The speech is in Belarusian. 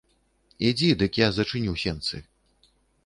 Ідзі, дык я зачыню сенцы.